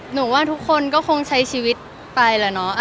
หนูว่าทุกคนก็คงใช้ชีวิตไปแล้วเนาะ